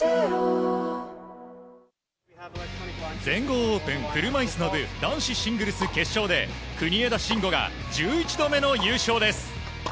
全豪オープン車いすの部男子シングルス決勝で国枝慎吾が１１度目の優勝です。